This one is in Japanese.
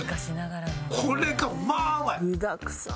これがまあうまい！